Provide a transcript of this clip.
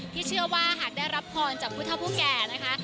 เชื่อว่าหากได้รับพรจากผู้เท่าผู้แก่นะคะ